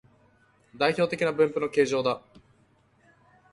代表的な分布の形状だ